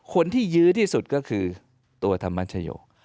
คนที่ยื้อที่สุดก็คือตัวธรรมชโยค